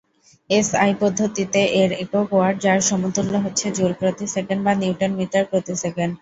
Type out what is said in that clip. SI পদ্ধতিতে এর একক ওয়াট যার সমতুল্য হচ্ছে জুল প্রতি সেকেন্ড বা নিউটন মিটার প্রতি সেকেন্ড।